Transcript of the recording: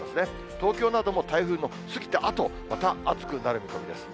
東京なども台風の過ぎたあと、また暑くなる見込みです。